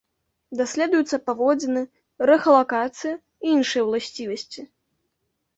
Даследуюцца паводзіны, рэхалакацыя і іншыя ўласцівасці.